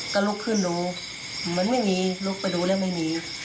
กันลุกขึ้นดูมันไม่มีลุกไปดูแล้วก็ไม่มี